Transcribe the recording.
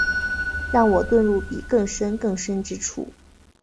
让我遁入比更深更深之处